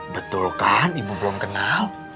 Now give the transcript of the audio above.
betul kan ibu belum kenal